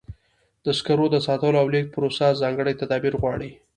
د سکرو د ساتلو او لیږد پروسه ځانګړي تدابیر غواړي.